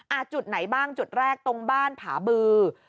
จุดไหนบ้างจุดแรกตรงบ้านผาบือ